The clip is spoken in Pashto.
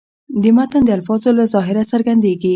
د متن د الفاظو له ظاهره څرګندېږي.